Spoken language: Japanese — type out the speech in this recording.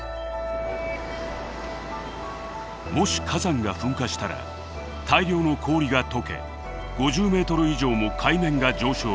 もし火山が噴火したら大量の氷が解け５０メートル以上も海面が上昇。